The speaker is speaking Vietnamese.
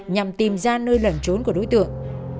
nhằm tìm ra nơi lần trốn của đối tượng